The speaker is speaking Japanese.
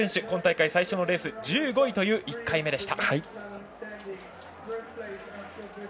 今大会最初のレース１５位という１回目でした。